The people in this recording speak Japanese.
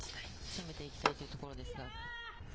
攻めていきたいというところです